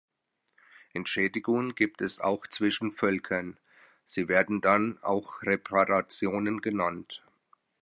Entschädigungen gibt es auch zwischen Völkern; sie werden dann auch Reparationen genannt.